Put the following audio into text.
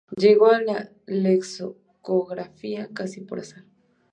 Llegó a la lexicografía casi por azar.